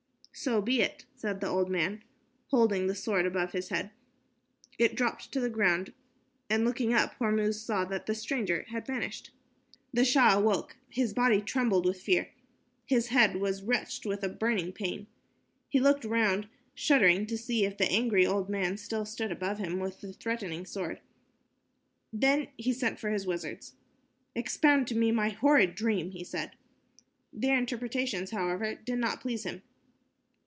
"So be it," said the old man, holding the sword above his head. It dropped to the ground, and looking up, Hormuz saw that the stranger had vanished. The Shah awoke. His body trembled with fear, his head was wracked by a burning pain. He looked round shudderingly to see if the angry old man still stood above him with the threatening sword. Then he sent for his wizards. "Expound to me my horrid dream," he said. Their interpretations, however, did not please him.